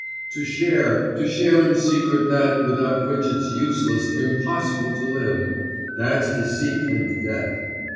To share, to share in secret that without which it's useless, impossible to live ... that's deceit and death.